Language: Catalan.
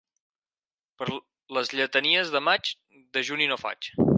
Per les lletanies de maig dejuni no faig.